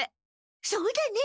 そうだね！